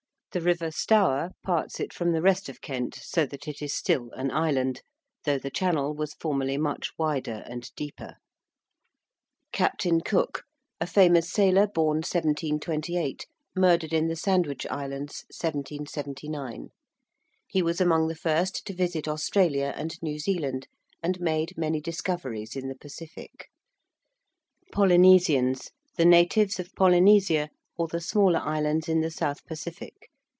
The river Stour parts it from the rest of Kent, so that it is still an 'island,' though the channel was formerly much wider and deeper. ~Captain Cook~: a famous sailor born 1728, murdered in the Sandwich Islands 1779. He was among the first to visit Australia and New Zealand, and made many discoveries in the Pacific. ~Polynesians~: the natives of Polynesia, or the smaller islands in the South Pacific.